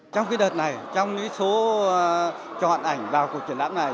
trong cái đợt này trong số chọn ảnh vào cuộc triển lãm này